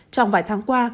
trong vài tháng qua